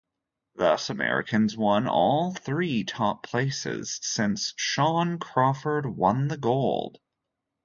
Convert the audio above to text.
Thus, Americans won all three top places, since Shawn Crawford won the gold.